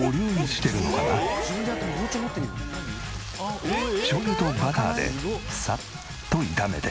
しょうゆとバターでサッと炒めて。